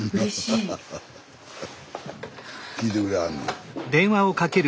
スタジオ聞いてくれはんねん。